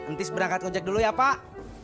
ntis berangkat konjak dulu ya pak